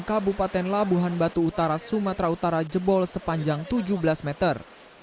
kabupaten labuhan batu utara sumatera utara jebol sepanjang tujuh belas meter